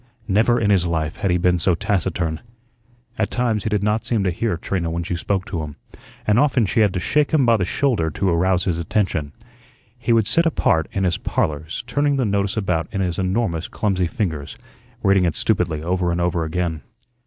Never in his life had he been so taciturn. At times he did not seem to hear Trina when she spoke to him, and often she had to shake him by the shoulder to arouse his attention. He would sit apart in his "Parlors," turning the notice about in his enormous clumsy fingers, reading it stupidly over and over again.